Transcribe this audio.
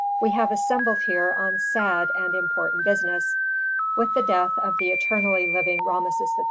"We have assembled here on sad and important business. With the death of the eternally living Rameses XIII.